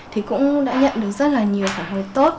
thì cũng đã nhận được rất nhiều khả năng tốt